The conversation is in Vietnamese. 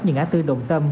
như ngã tư đồng tâm